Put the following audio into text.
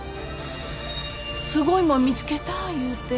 「すごいもん見つけた言うて」